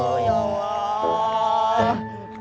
oh ya allah